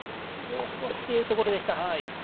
もう少しというところでした。